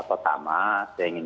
pertama saya ingin